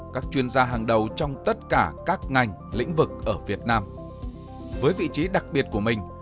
các chuyên gia hàng đầu trong tất cả các ngành lĩnh vực ở việt nam với vị trí đặc biệt của mình